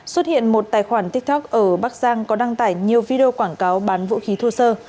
xuất hiện một tài khoản tiktok ở bắc giang có đăng tải nhiều video quảng cáo bán vũ khí thô sơ